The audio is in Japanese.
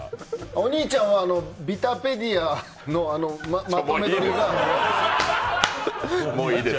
お兄ちゃんはビタペディアのもういいです。